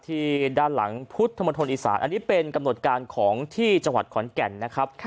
ที่ด้านหลังพุทธมนตร์อีสานอันนี้เป็นกำหนดการของที่จังหวัดขอนแก่นนะครับ